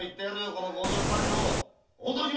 この強情っぱりの大年増！